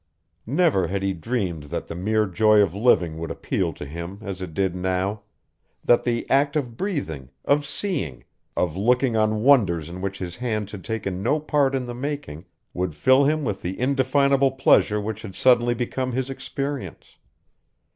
Never had he dreamed that the mere joy of living would appeal to him as it did now; that the act of breathing, of seeing, of looking on wonders in which his hands had taken no part in the making, would fill him with the indefinable pleasure which had suddenly become his experience.